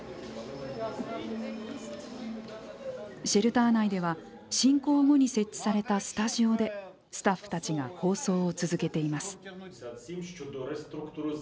シェルター内では侵攻後に設置されたスタジオでスタッフたちが放送を続けています。